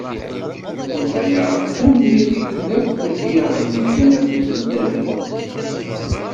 Tenna-aɣ-d: "Tanemmirt i wid akk i aɣ-d-yefkan afus n tallelt."